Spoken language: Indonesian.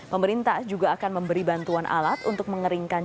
pemerintah juga akan memberi bantuan alat untuk mengeringkan